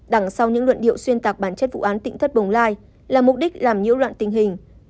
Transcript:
đằng sau những luận điệu xuyên tạc bản chất vụ án tỉnh thất bồng lai là mục đích làm nhiễu loạn tình hình